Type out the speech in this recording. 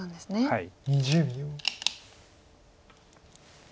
はい。